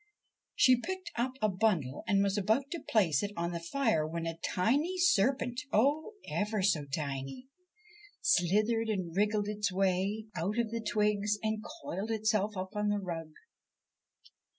She picked up a bundle and was about to place it on the fire when a tiny serpent, oh, ever so tiny 1 slithered and wriggled its way out of the twigs and coiled itself up on the rug.